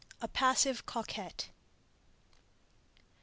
A PASSIVE COQUETTE.